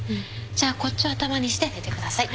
じゃあこっちを頭にして寝てください。